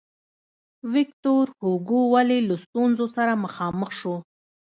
ویکتور هوګو ولې له ستونزو سره مخامخ شو.